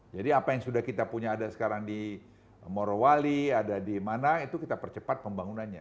jadi apa yang sudah kita punya ada sekarang di morowali ada di mana itu kita percepat pembangunannya